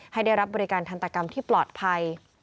ให้ได้รับบริการทันตกรรมที่ปลอดภัย